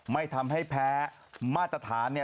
ไม่ทำให้แพ้มาตรฐาน